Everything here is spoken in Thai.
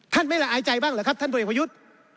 ท่านไม่รักอายใจบ้างเหรอครับท่านผลเอกประยุทธ์